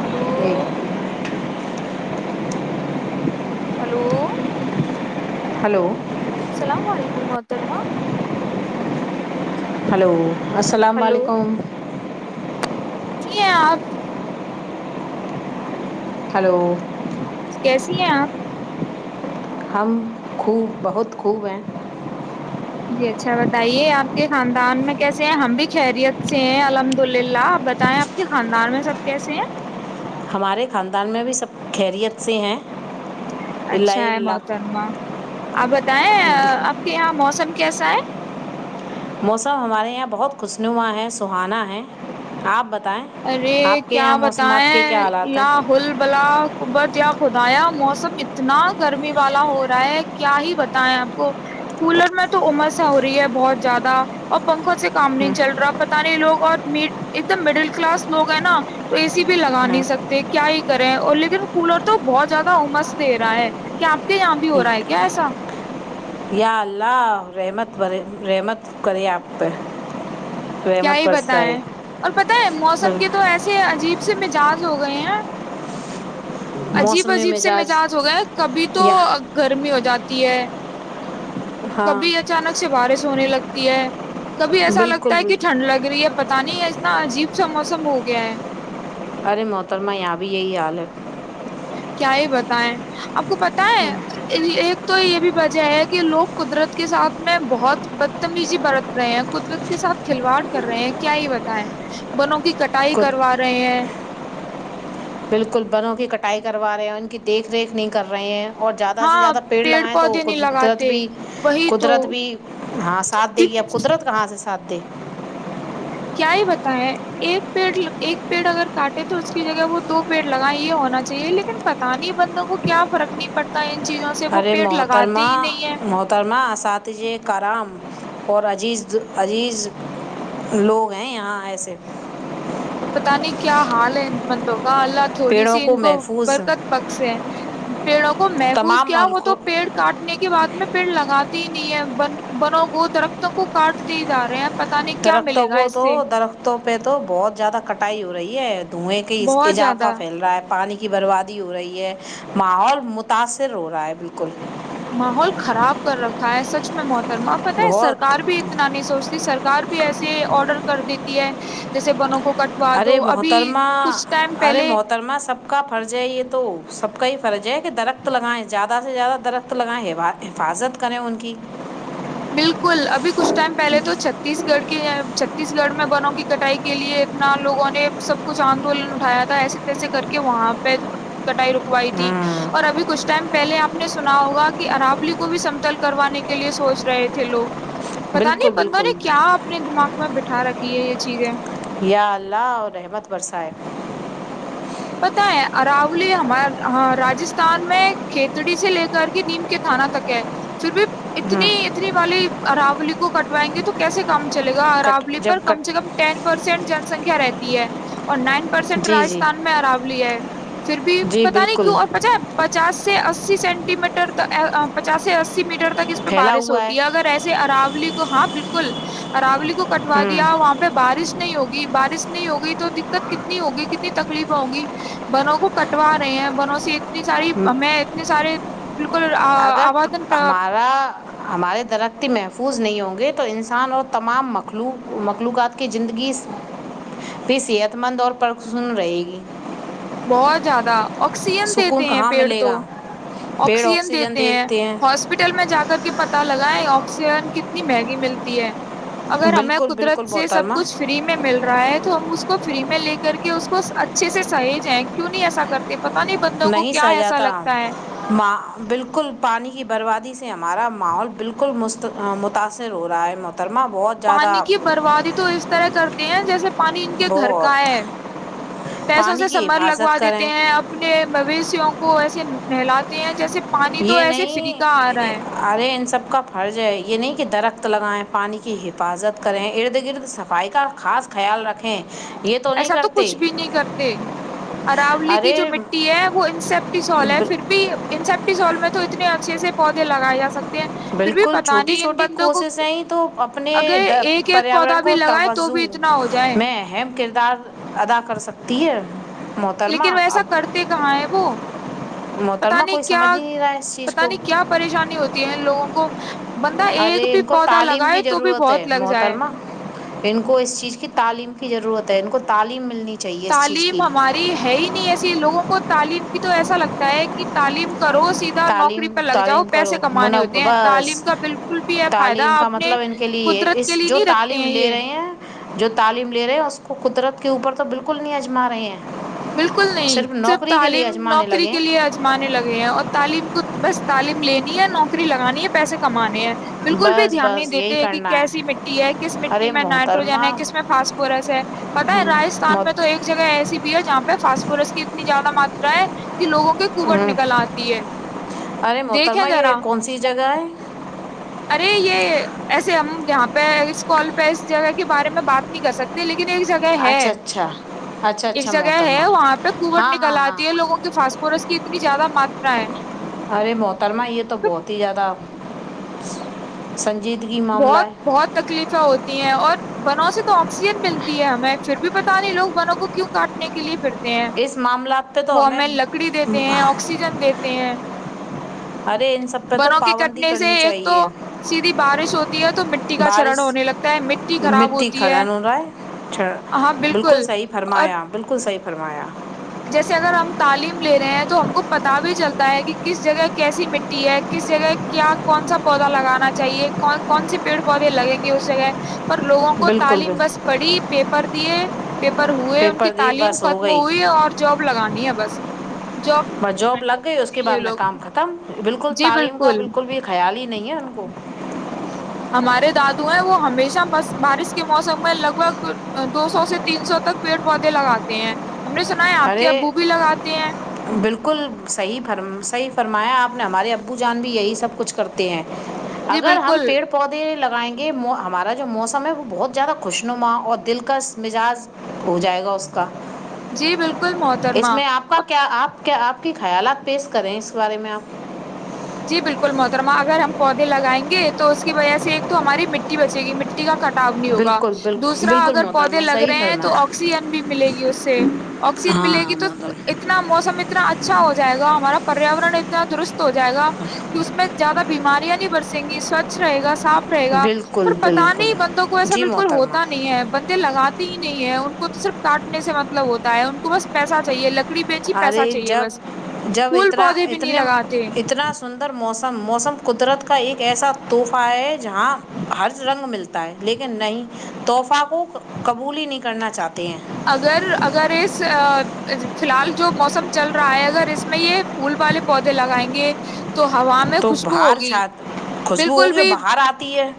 hello hello hello سلام و علیکم محترما ہلو السلام ہلو علیکم [inaudible] ہلو کیسی ہیں آپ ہم خوب بہت خوب ہیں جی اچھا بتائیے آپ کے خاندان میں کیسے ہیں ہم بھی خیریت سے ہیں الحمد للہ آپ بتائیں آپ کے خاندان میں سب کیسے ہیں ہمارے خاندان میں بھی سب خیریت سے ہیں اچھا اللہ ہے اللہ محترما آپ بتائیں آپ کے یہاں موسم کیسا ہے موسم ہمارے یہاں بہت خوشنما ہے سہانا ہے آپ بتا ارے کیا بتیں کیا حالات ل ہیں ہل ولا ابتیا خدایا موسم اتنا گرمی والا ہو رہا ہے کیا ہی بتیں آپ کو کولر میں تو عمر س ہو رہی ہے بہت زیادہ اور پنکھوں سے کام نہیں چل رہا پتہ نہیں لوگ اور م ایک دم مڈل کلاس لوگ ہیں نا تو اے سی بھی لگا نہیں سکتے کیا ہی کریں اور لیکن کولر تو بہت زیادہ امس دے رہا ہے کیا آپ کے یہاں بھی ہو رہا ہے کیا ایسا یا اللہ رحمت ب رحمت کری آپ کیا رحمت ہی بتائ برسائے اور پت ہے موسم کے تو ایسے عجیب سے مجج ہو گئے ہیں عجیب موسم عجیب سے مزاج مجاج ہو گیا کبھی تو یا گرمی ہو جاتی تی ہے ہاں کبھی اچانک سے بارش ہونے لگتی ہے کبھی ایسا بالکل لگتا ہے کہ بالکل ٹھنڈ لگ رہی ہے پت نہیں ہے اتنا عجیب سا موسم ہو گیا ہے ارے محترما یہاں بھی یہی حال ہے کیا ہی بتائیں آپ کو پت ہے ایک تو یہ بھی وجہ ہے کہ لوگ قدرت کے ساتھ میں بہت بدتمیزی برت رہے ہیں قدرت کے ساتھ کھلواڑ کر رہے ہیں کیا یہ بتائے بنوں کی کٹائی کروا رہے ہیں بالکل بروں کی کٹائی کروا رہے ہیں ان کی دیکھ ریکھ نہیں کر رہے ہیں اور زیادہ سے ہاں زیادہ پیڑ لگائیں تو پودے نہیں قدرت لگاتے بھی وہی تو قدرت بھی ہاں ساتھ دے گی آپ قدرت کہاں سے ساتھ دے [unintelligible] بتیں ایک پیڑ ایک پیڑ اگر کاٹے تو اس کی جگہ وہ دو پیڑ لگائیں یہ ہونا چاہیے لیکن پتا نہیں بندوں کو کیا فرق نہیں پڑتا چیزوں سے وہ ارے پیڑ لگاتے محترما ہی نہیں ہے محترما ساتی کرام اور عزیز عزیز لوگ ہیں یہاں ایسے پتا نہیں کیا حال ہے مطلب ہ اللہ تھوڑی پیڑوں سی ان کو محفوظ برکت بخس ہیں پیڑوں کو محفوظ تمام کیا ہو تو ملکوں پیڑ کاٹنے کے بعد میں پیڑ لگات نہیں ہے بن بنوں کو درختوں کو کاٹتے جا رہے ہیں پتا نہیں کیا درختوں ملے گا کو اس تو سے درختوں پہ تو بہت زیادہ کٹائی ہو رہی ہے دھوئیں کے بہت اضافہ زیادہ پھیل رہا ہے پانی بربادی ہو رہی ہے ماحول متاثر ہو رہا ہے بالکل ماحول خراب کر رکھا ہے سچ میں موت ما پتہ ہے بہت سرار بھی اتنا نہیں سوچتی سرار بھی ایسے آڈر کر دیتی ہے جیسے بنوں کو کٹوا ارے دو ابھی محترمہ کچھ ٹائم ارے پہلے محترمہ سب کا پر جائے یہ تو سب کا ہی پر جی کہ درخت لگائ زیادہ سے زیادہ درخت لگائیںا حفاظت کریں ان کی بالکل ابھی کچھ ٹائم پہلے تو چھتیس گڑھ کے چھتیس گڑھ میں بنوں کی کٹائی کے لیے اتنا لوگوں نے سب کچھ آندولن اٹھایا تھا ایسے تیسے کر کے وہاں پہ کٹائی رکوائی تھی اور ابھی کچھ ٹائم پہلے آپ نے سنا ہوگا کہ اراولی کو بھی سمتل کروانے کے لیے سوچ رہے تھے لوگ پتا نہیں بالکل بندوں بالکل نے کیا اپنے دماغ میں بیٹھا اٹھا رکھی ہے یہ چیز ہے یا اللہ اور رحمت رس ہے پتا ہے ارالی ہمار راستھان میں کھیتڑی سے لے کر کے نیم کے تھانہ تک ہے پھر بھی ہوں اتنی اتنی والی اراولی کو کٹوائیں گے تو کیسے کام چلے گا کٹ رلی جب پر کم کٹ سے کم ٹین پرسینٹ جن سنکھیا رہتی ہے اور نائن پرسینٹ جی رائ جی ان میں اراولی ہے پھر بھی جی پت نہیں بالکل کیوں اور پچ پچاس سے اسی سینٹی میٹر پچاس سے اسی میٹر ت اس پہ پھیلا بارش ہوا ہوتی ہے اگر ایسے اراولی ہاں بالکل اراولی کو کٹوا ہوں دیا وہاں پہ بارش نہیں ہوگی بارش نہیں ہوگئی تو دقت کتنی ہوگی کتنی اتنی تکلیف ہوںگی بنوں کو کٹوا رہے ہیں بنوں سے ایک [unintelligible] اتنی ساری میں اتنے سارے ج [inaudible] اگر ہمارا [unintelligible] ہمارے درقی محفوظ نہیں ہوں گے تو انسان اور تمام مخلوق مخلوقات کی زندگی بھی صحت مند اور پرسن رہے گی [unintelligible] بہت زیادہ آکسیجن سکون دیتے ہیں کہاں پیڑ ملے تو گا آکسیجن دیتے ہیں ہاسپٹل میں جا کر کے پتا ل [unintelligible] لگائے آکسیجن کتنی مہنگی ملتی ہے [unintelligible] اگر ہمیں بالکل بالکل قدرت سے سب محترمہ کچھ فری میں مل رہا ہے تو ہم اس کو فری میں لے کر کے اس کو اچھے سے سحی [unintelligible] کیوں نہیں ایسا کرتے [unintelligible] نہیں کیا ایسا سہجاتا لگتا ہے ماں بالکل پانی کی بربادی سے [unintelligible] ہمارا ماحول بالکل مستب متاأثر ہو رہا ہے [unintelligible] پانی زیادہ کی بربادی تو اس طرح کرتا ہیں جیسے [unintelligible] پانی ان کے گھر کا بہت ہے پیسوں پانی سے کی سمر لگوا حفاظت دیتے کریں ہیں اپنے مویشیوں [unintelligible] کو ایسے ملاتے ہیں جیسے [unintelligible] یہ ایسے نہیں فری کا آ رہا ہے ارے ان سب کا فرض ہے یہ نہیں [unintelligible] کہ درخت لگائیں پانی کی حفاظت کریں ارد گرد صفائی کا خاص خیال رکھیں [unintelligible] نہیں ایسا تو کرتے کچھ بھی نہیں کرتے اراولی کی جو ارے مٹی ہے وہ انسپٹیسال ہے پھر بھی انسپٹ س میں تو اتنے اچھے سے پودے لگائے جا سکتے [unintelligible] پھر بھی بالکل پتا چھوٹی نہیں ان چھوٹی بندوں کو کوششیں ہی تو اپنے اگر ایک ایک پودا پریاورن بھی کو لگائے تو توجع بھی اتنا ہو جائے میں اہم کردار کردار ادا کر سکتی ہے [unintelligible] لیکن محترمہ ویسا اب کرتے کہاں ہے وہ پتا محترمہ کوئی نہیں سمجھ کیا ہی نہیں رہا ہے اس چیز پتا کو نہیں کیا پریشانی ہوتی ہے ان لوگوں کو ا [unintelligible] ارے ان کو تعلیم کی ضرورت ہے بہت لگ جائے محترمہ ان کو اس چیز کی تعلیم ضرورت ہے ان کو تعلیم ملنے کی [unintelligible] تعلیم ہماری ہے ہی نہیں ایسی لوگوں کو تعلیم کی تو ایسا لگتا ہے کہ تعلیم [unintelligible] کرو سیدھا نوکری تعلیم پرہ لگ جاؤ تعلیم پیسے کرو کمانے ہوتے منب ہیں تعلیم بس کا بالکل بھی ہے فائدہ تعلیم کا اپنے مطلب ان کے لیے قدرت کے اس لیے جو نہیں رکھتے تعلیم ہیں لے یہ رہے [unintelligible] ہیں جو تعلیم لے رہے ہیں اس کو قدرت کے اوپر تو بالکل نہیں اجما رہے ہیں [unintelligible] بالکل نہیں صرف نوکری کے لیے تعلیم آزمانے نوکری لگے کے لیے ہیں اجمانے لگے ہیں اور تعلیم کو [unintelligible] بس تعلیم لینی ہے نوکری لگانی ہے پیسے کمانے ہیں [unintelligible] بالکل بھی بس دھیان نہیں بس یہی دیتے ہیں کہ کرنا کیسی ہے مٹی ہے کس مٹی ارے میں نائٹروجن محترمہ ہے کس میں فاسفورس ہے پتا ہے راستھان میں تو محت ایک جگہ ایسی [unintelligible] فاس فورس کی اتنی زیادہ ماترا ہے [unintelligible] کہ لوگوں کے کبٹ نکل آتی ہے ارے دیکھیں محترمہ یہ ذرا کون سی جگہ ہے [unintelligible] ارے یہ ایسے ہم یہاں پہ اس کال پہ اس جگہ کے بارے میں بات نہیں کر سکتے لیکن [unintelligible] ایک جگہ ہے اچھا اچھا اچھا ایک اچھا جگہ ہے محترمہ وہاں پہ کوٹ ہاں نکل ہاں ہاں آتی ہے لوگوں کے فاسپورس کی اتنی [unintelligible] زیادہ ماترا ہے [unintelligible] ارے محترما یہ تو بہت ہی زیادہ [unintelligible] معاملہ بہت ہے بہت تکلیفیں ہوتی [unintelligible] ہے اور بنوں سے تو آکسیجن ملتی ہے ہمیں پھر بھی پتا نہیں لوگ بنوں کو کیوں کاٹنے کے لیے پھر [unintelligible] اس معاملات پہ تو وہ ہمیں لکڑی دیتے ہیں آکسیجن دیتے ہیں [unintelligible] ارے ان سب پہ تو بنوں کی پابندی کٹنے سے کرنی ایک تو چاہیے سیدھی بارش ہوتی [unintelligible] ہے تو مٹی کا چرن بارش ہونے لگتا ہے مٹی خراب مٹی ہوتی ہے کھنن ہو رہا [unintelligible] بالکل صحیح اور فرمایا بالکل [unintelligible] صحی فرمایا [unintelligible] جیسے اگر ہم تعلیم لے رہے ہیں تو ہم کو پتا بھی چلتا ہے کہ کس جگہ کیسی مٹی ہے کس جگہ کیا کون سا پودا لگانا چاہیے کون سے پیڑ پودے لگیں گے اس جگہ [unintelligible] پر لوگوں کو بالکل تعلیم بس بالکل پڑی پیپر [unintelligible] دیے [inaudible] پیپر ہوئے ان کی پیپر دیے تعلیم بس ہو ختم گئی ہوئی اور لگانی ہے بس بس جاب لگ گئی اس کے بعد یہ میں لوگ کام ختم بالکل تعلیم کا بالکل بھی خیال ہی نہیں ہے ان کو ہمارے دادو ہیں وہ ہمیشہ ب بارش کے موسم میں لگ بھگ دو سو سے تین سو تک پیڑ پودے لگاتے ہیں ہم نے سنا ہے آپ کے ارے ابو بھی لگاتے ہیں بالکل صحیح فرم صحیح فرمایا آپ نے ہمارے اب بو جان بھی یہی سب کچھ کرتے ہیں جی اگر ہم بالکل پیڑ پودے لگائیں گے یہ ہمارا جو موسم ہے وہ بہت زیادہ خوشنما اور دلکش مزاج ہو جائے گا اس کا جی بالکل اس محترما میں آپ کا کیا آپ کیا آپ کے خیالات پیش کریں اس بارے میں آپ جی بالکل محترما اگر ہم پودے لگائیں گے تو اس کی وجہ سے ایک تو ہماری مٹی بچے گی مٹی کا کٹاؤ نہیں ہوگا بالکل بالکل دوسرا بالکل اگر پودے محترمہ لگ صحیح رہے ہیں تو فرمایا آکسیجن بھی ملے گی اس سے آکسیجن ہاں ملے گی ہاں تو محترمہ اتنا موسم اتنا اچھا اچھا ہو جائے گ ہمارا پریاورن اتنا درست ہو جائے گا کہ اس میں زیادہ بیماری نہیں برسیں گی سوچھ رہے گا صاف رہے گا بالکل پر پتا بالکل نہیں بندوں کو ایسا جی بالکل محترمہ ہوتا نہیں ہے بندے لگاتے ہی نہیں ہے ان کو تو صرف کاٹنے سے مطلب ہوتا ہے ان کو بس پیسہ چاہیے لگ لکڑی بیچی پیسہ ارے چاہیے جب بس جب پھول اتنا پودے بھی نہیں اتنے لگاتے اتنا سندر موسم موسم قدرت کا ایک ایسا تحفہ ہے جہاں ہر رنگ ملتا ہے لیکن نہیں تحفہ کو قبول ہی نہیں کرنا چاہتے ہیں اگر اگر اس فی الحال جو موسم چل رہا ہے اگر اس میں یہ پھول والے پودے لگائیں گے تو ہوا میں تو خوشبو باہر چ ہوگی خوشبو بالکل ہوگی بھی باہر آتی ہے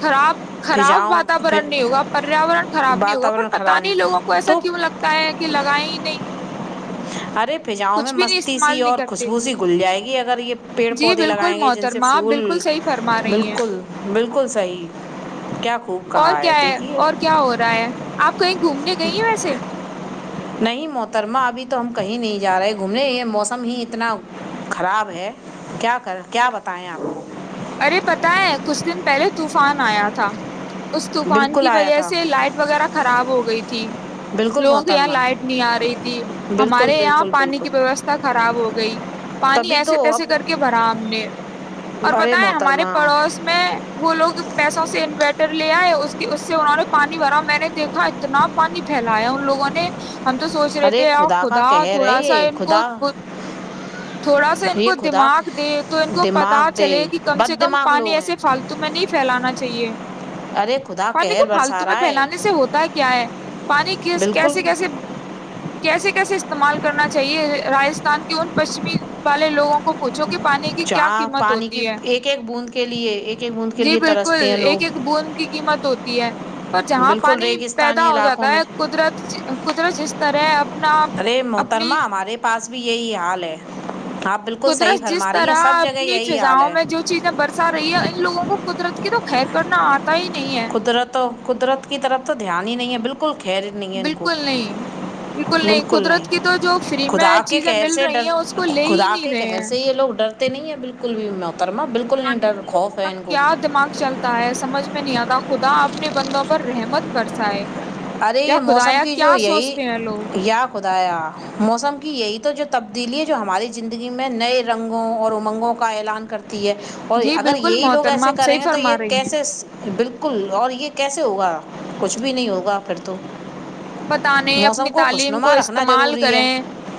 خراب خراب فضاؤں واتورن نہیں ہوگا پریاورن خراب نہیں ہوگا پر واتاورن پتا خراب نہیں لوگوں کو ایسا تو کیوں لگتا ہے کہ لگائیں ہی نہیں ارے پجاؤں میں کچھ بھی نہیں مستی سی استعمال نہیں اور کرتے خوشبو سی گل جائے گی اگر یہ پیڑ جی پودے بالکل لگائیں گے جن سے محترمہ آپ پھول بالکل صحیح فرما رہی ہیں بالکل بالکل صحیح کیا خوب اور کہا کیا ہے دیکھیے اور کیا ہو رہا ہے آپ کہیں گھومنے گئی ہیں ویسے نہیں محترمہ ابھی تو ہم کہیں نہیں جا رہے گھومنے یہ موسم ہی اتنا خراب ہے کیا کر کیا بتائیں آپ ارے پت ہے کچھ دن پہلے طوفان آیا تھا اس طوفان بالکل کی آیا وجہ تھا سے لائٹ وغیرہ خراب ہو گئی تھی بالکل لوگوں کے یہاں محترمہ لائٹ نہیں آ رہی تھی بالکل ہمارے یہاں بالکل پانی کی بالکل ویوستھا خراب ہو گئی پانی تبھی ایسے تو اب تیسے کر کے برام نے اور ب ارے ہمارے محترمہ پڑوس میں وہ لوگ پیسوں سے انوسٹ ر لیا ہے اس کی اس سے انہوں نے پانی بھرا میں نے دیکھا اتنا پانی پھیلایا ان لوگوں نے ہم تو سوچ رہے ارے تھے ا کا خدا قہر ہے تھوڑا سا یہ ان کو خدا تھوڑا سا ان یہ کو خدا دماغ دے تو ان کو پتا دماغ دے چلے کہ کم سے بد کم دماغ پانی لوگ ہیں ایسے فالتو میں نہیں پھیلانا چاہیے ارے خدا پانی کو قہر برسا پالتو میں رہا ہے پھیلانے سے ہوتا ہے کیا ہے پانی بالکل کیسے کیسے کیسے کیسے استعمال کرنا چاہیے راستھان کے ان پشچمی والے لوگوں کو پوچھو پانی کی کیا چاہ قیمت پانی کی ہوتی ہے ایک ایک بوند کے لیے ایک ایک بوند کے جی لے ترستے ہیں لوگ بھی ہے [unintelligible] پر جہاں بالکل پانی پیدا ریگستانی ہو علاقوں جاتا ہے میں قدرت قدرت جس سرح [unintelligible] ارے محترما ہمارے پاس بھی یہی حال [unintelligible] پلے [unintelligible] قدرت جس طرح اپنی یہی حال فضاؤں ہے میں جو چیزیں برسا رہی ہے لووں کو قدرت کی تو خیر کرنا آتا ہی نہیں ہے قدرت قدرت کی طرف تو دھیان ہی نہیں ہے بالکل بالکل خیر نہیں ہے ان کو بالکل نہیں بالکل قدرت نہیں کی تو جو فری میں خدا کے چیزیں قہر مل سے رہی ڈر ہیں اس کو لے ہی خدا نہیں کے رہے قہر سے یہ لوگ ڈرتے نہیں ہیں بالکل کل بھی میں پتے لوگوں کا کیا دماغ چلتا ہے سمجھ میں نہیں آتا خدا اپنے بندوں پر رحمت برسائے ارے یا یہ موسم خدایا کی جو کیا یہی سوچتے ہیں لوگ یا خدایا موسم کی یہی تو جو تبدیلی جو ہماری زندگی میں نئے رنگوں اور امنگوں کا اعلان کرتے ہے اور جی اگر بالکل یہی لوگ محترمہ ایسے آپ صحیح کریں گے تو یہ فرما رہی ہیں کیسے بالکل بالکل اور یہ کیسے ہوگا کچھ بھی نہیں ہوگا کر تو [inaudible] پت نہیں موسم اپنی تعلیم کو خوشنما رکھنا استعمال ضروری ہے کریں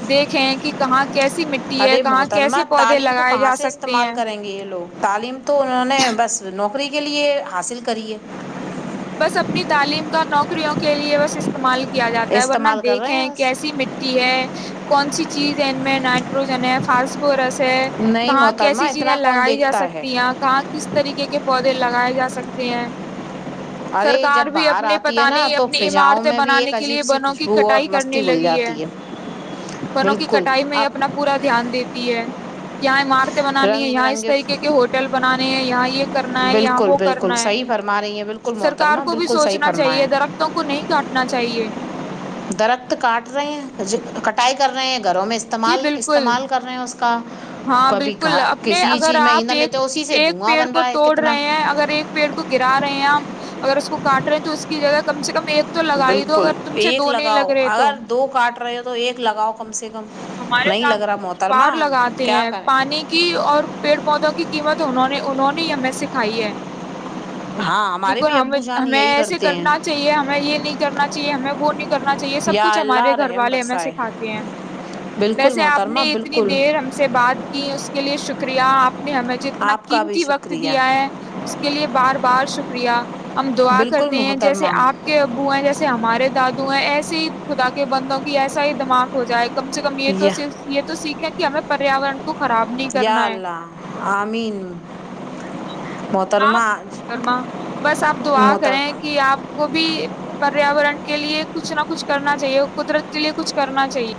دیکھیں کہ کہاں کیسی مٹی ہے ارے کہاں محترمہ کیسے پودے تعلیم کو لگائے کہاں جا سے سکتے استعمال ہیں کریں گے یہ لوگ تعلیم تو انہوں نے بس نوک نوکری کے لیے حاصل کریے بس اپنی تعلیم کا نوکریوں کے لیے بس استعمال کیا کیا جاتا ہے ورنہ استعمال کر رہے ہیں دیکھیں بس کیسی مٹی ہے کون سی چیزم میں نائٹروجن فاس ف نہیں کہاں محترمہ کیسی چیزیں اتنا کون لگائی جا دیکھتا ہے سکتی ہیں کہاں کس طریقے کے پودے لگائے جا سکتے ہیں ارے سرکار جب بھی باہر اپنے پت آتی ہے نا نہیں تو اپنی فضاؤں عمارتیں میں بھی ایک بنانے کے عجیب لیے سی بنوں کی خوشبو اور کٹائی کرنے مستی گھل لگی ہے جاتی بنوں کی بالکل کٹائی میں اپنا آپ پورا دھیان دیتی ہے جائے مار بنانی ہے رنگ یہاں اس برنگے طریقے کے ہوٹل بنانے ہیں یہاں یہ کرنا ہے یہاں بالکل وہ بالکل کرنا ہے صحیح فرما رہی ہیں بالکل سرکار محترمہ کو بھی بالکل صحیح سوچنا فرمایا چاہیے درختوں کو نہیں کاٹنا چاہیے جئیے [inaudible] درخت کاٹ رہے ہیں کٹائی کر رہے ہیں گھروں میں جی استعمال بالکل استعمال کر رہے ہیں اس کا ہاں کبھی بالکل اپنے کسی اگر چیز میں آپ ایندھن ایک لیتے ہیں، اسی سے ایک دھواں پیڑ بن کو رہا ہے توڑ کتنا رہے ہیں اگر ایک پیڑ کو گرا رہے رہے ہیں آپ اگر اس کو کاٹ رہے ہیں تو اس کی جگہ کم سے کم ایک تو لگا ہی دو بالکل اگر تم سے ایک دو نہیں لگاؤ لگ رہے تو اگر دو کاٹ رہے ہو تو ایک لگاؤ کم سے کم ہمارے نہیں لگ دادو رہا تو ہر محترما بار لگاتے ہیں پانی کی اور پیڑ پودوں کی قیمت انہوں نے انہوں نے ہی ہمیں سے کھائی ہے ہاں ہمارے بالکل بھی ہم ابو جان ہمیں یہی ایسے کرتے کرنا ہیں چاہیے ہمیں یہ نہیں کرنا چاہیے ہمیں وہ نہیں کرنا چاہیے سب یا کچھ ہمارے اللہ گھر رحم والے ہمیں برسائے سکھھاتے ہیں بالکل ویسے آپ محترمہ نے اتنی بالکل دیر ہم بات کی اس کے لیے شکریہ آپ نے ہمیں جو اتنا آپ کا بھی قیمتی وقت شکریہ دیا ہے اس کے لیے بار بار شک شریہ ہم دعا بالکل کرتے ہیں جیسے محترمہ آپ کے ابو ہیں جیسے ہمارے دادو ہیں ایسے ہی خدا کے بندوں کی ایسا ہی دماغ ہو جائے گا کم سے کم یہ تو یا یہ تو سیکھیں کہ ہمیں پریاورن کو خراب نہیں یا کرنا ہے اللہ آامین آپ گما بس آپ دعا کریں محترمہ کہ آپ کو بھی پریاورن کے لیے کچھ نہ کچھ کرنا چاہیے قدرت کے لیے کچھ کرنا چاہیے